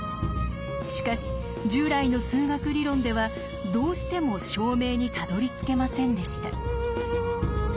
しかし従来の数学理論ではどうしても証明にたどりつけませんでした。